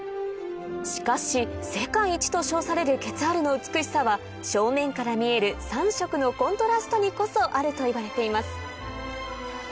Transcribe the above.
しかし世界一と称されるケツァールの美しさは正面から見える３色のコントラストにこそあるといわれています